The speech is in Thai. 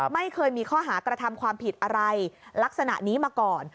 ไม่เคยมีข้อหากระทำความผิดอะไรลักษณะนี้มาก่อน